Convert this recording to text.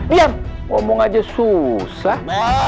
diam ngomong aja susah